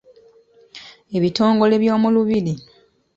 Ebitongole by’omu lubiri.